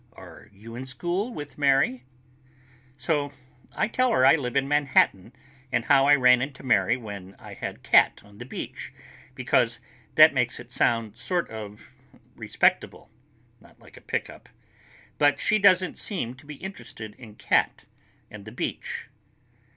"Are you in school with Mary?" So I tell her I live in Manhattan, and how I ran into Mary when I had Cat on the beach, because that makes it sound sort of respectable, not like a pickup. But she doesn't seem to be interested in Cat and the beach.